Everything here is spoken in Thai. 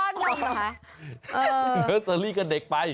เนอร์เซอรี่กับเด็กไป